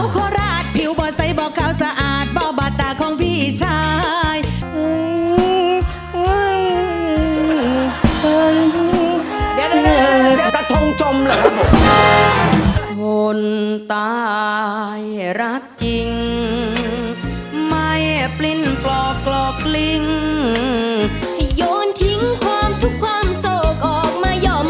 กระทงจมเลยครับผม